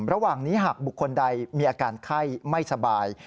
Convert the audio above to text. ระหว่างนี้หากบุคคลใดมีอาการไข้ไม่สบาย